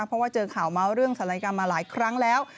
เพราะว่าเจอข่าวเมาส์เรื่องศัลยกรรมมาหลายครั้งแล้ว